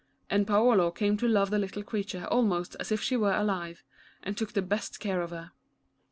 And Paolo came to love the little creature almost as if she were alive, and took the best care of her.